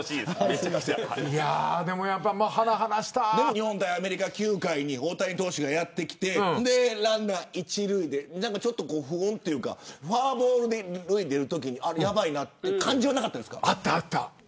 日本対アメリカ９回に大谷投手がやってきてランナー、１塁で少し不穏というかフォアボールが出たときにやばいという感じありましたか。